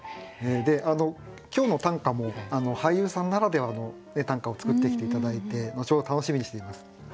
今日の短歌も俳優さんならではの短歌を作ってきて頂いて後ほど楽しみにしています。